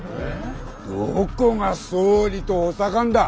どこが総理と補佐官だ。